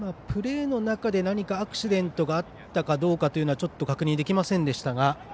プレーの中で何かアクシデントがあったかはちょっと確認できませんでしたが。